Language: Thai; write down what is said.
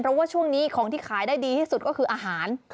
เพราะว่าช่วงนี้ของที่ขายได้ดีที่สุดก็คืออาหาร